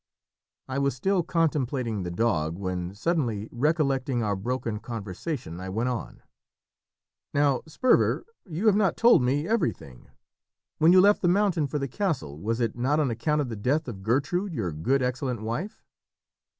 I was still contemplating the dog, when, suddenly recollecting our broken conversation, I went on "Now, Sperver, you have not told me everything. When you left the mountain for the castle was it not on account of the death of Gertrude, your good, excellent wife?"